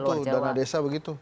itu ada tuh dana desa begitu